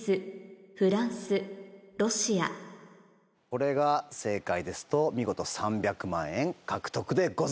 これが正解ですと見事３００万円獲得でございます。